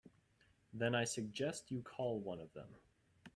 Then I suggest you call one of them.